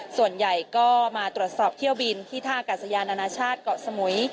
ส่วนใหญ่ก็มาตรวจสอบเที่ยวบินที่ท่ากาศยานานาชาติเกาะสมุย